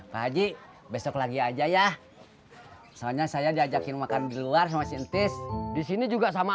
pak haji besok lagi aja ya soalnya saya diajakin makan di luar sama sintis disini juga sama